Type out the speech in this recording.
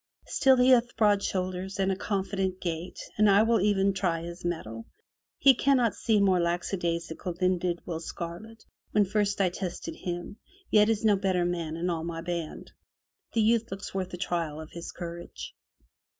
Still he hath broad shoulders and a confident gait. I will e'en try his mettle. He cannot seem more lackadaisical 59 MY BOOK HOUSE than did Will Scarlet, when first I tested him, yet is no better man in all my band. The youth looks worth a trial of his courage.'